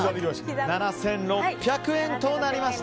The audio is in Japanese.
７６００円となりました。